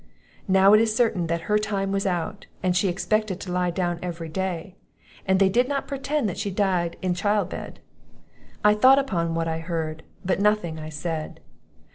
Now it is certain that her time was out, and she expected to lie down every day; and they did not pretend that she died in child bed. I thought upon what I heard, but nothing I said.